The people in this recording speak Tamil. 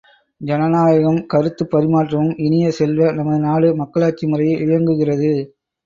ஜனநாயகமும் கருத்துப் பரிமாற்றமும் இனிய செல்வ, நமது நாடு மக்களாட்சி முறையில் இயங்குகிறது.